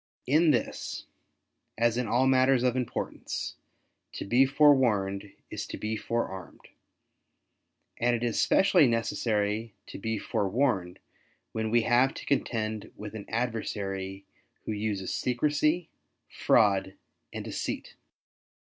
In this, as in all matters of importance, 'Ho be forewarned is to be forearmed," and it is specially necessary to be forewarned when we have to contend with an adversary who uses secrecy, fraud and deceit.